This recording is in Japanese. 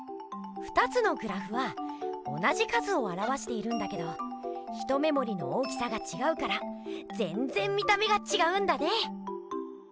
２つのグラフは同じ数をあらわしているんだけど一目もりの大きさがちがうからぜんぜん見た目がちがうんだね！